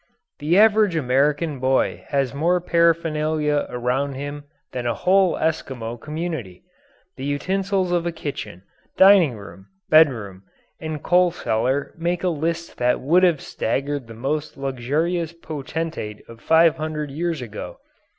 The average American boy has more paraphernalia around him than a whole Eskimo community. The utensils of kitchen, dining room, bedroom, and coal cellar make a list that would have staggered the most luxurious potentate of five hundred years ago.